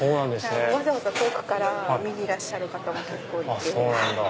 わざわざ遠くから見にいらっしゃる方も結構いて。